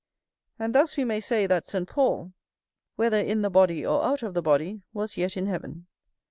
And thus we may say that Saint Paul, whether in the body or out of the body, was yet in heaven.